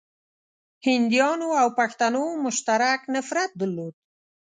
هنديانو او پښتنو مشترک نفرت درلود.